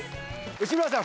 内村さん